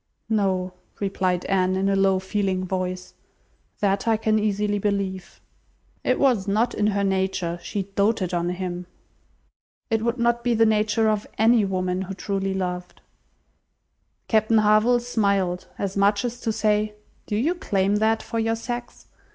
"No," replied Anne, in a low, feeling voice. "That I can easily believe." "It was not in her nature. She doted on him." "It would not be the nature of any woman who truly loved." Captain Harville smiled, as much as to say, "Do you claim that for your sex?"